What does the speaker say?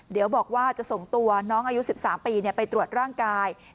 เดี๋ยวบอกว่าจะส่งตัวน้องอายุ๑๓ปีไปตรวจร่างกาย